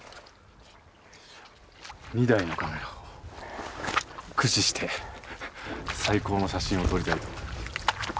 ２台のカメラを駆使して最高の写真を撮りたいと思います。